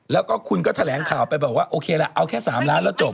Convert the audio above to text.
แล้วก็คุณก็แทรงข่าวไปโอเคล่ะเอาแค่๓ล้านมันแล้วจบ